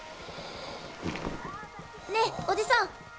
ねえおじさん！